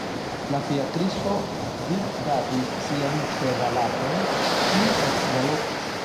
La fiakristo vipbatis sian ĉevalaĉon, kiu ekgalopis.